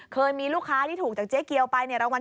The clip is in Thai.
เคยมีลูกค้าที่ถูกจากเจ๊เกียวไปเนี่ยรางวัล